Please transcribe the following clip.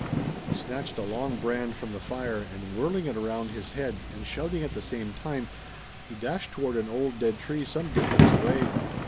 He snatched a long brand from the fire, and whirling it around his head, and shouting at the same time, he dashed toward an old dead tree some distance away.